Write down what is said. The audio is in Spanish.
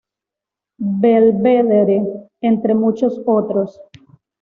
Belvedere, entre muchos otros.